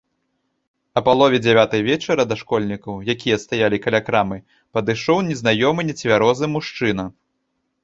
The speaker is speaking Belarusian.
А палове дзявятай вечара да школьнікаў, якія стаялі каля крамы, падышоў незнаёмы нецвярозы мужчына.